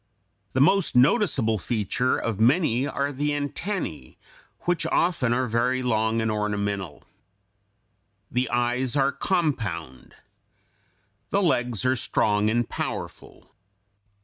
The most noticeable feature of many are the antennæ (Fig. 201), which often are very long and ornamental. The eyes are compound. The legs are strong and powerful.